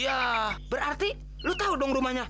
ya berarti lu tahu dong rumahnya